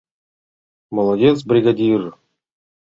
— Молодец, бригадир!